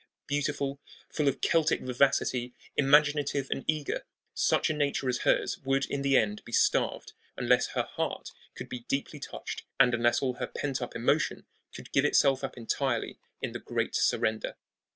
Beautiful, full of Celtic vivacity, imaginative and eager, such a nature as hers would in the end be starved unless her heart should be deeply touched and unless all her pent up emotion could give itself up entirely in the great surrender.